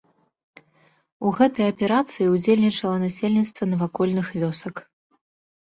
У гэтай аперацыі удзельнічала насельніцтва навакольных вёсак.